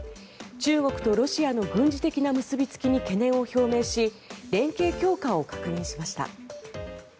中国とロシアの軍事的な結びつきに懸念を表明し連携強化を確認しました。